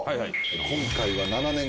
今回は７年後。